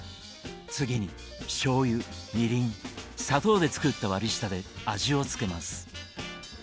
次にしょうゆみりん砂糖で作った割り下で味を付けます。